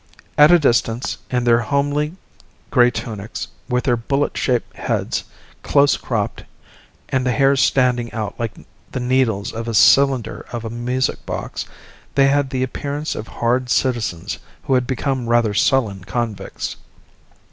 At a distance, in their homely grey tunics, with their bullet shaped heads close cropped and the hairs standing out like the needles of a cylinder of a music box, they had the appearance of hard citizens who had become rather sullen convicts.